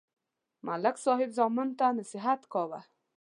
ملک صاحب زامنو ته نصحت کاوه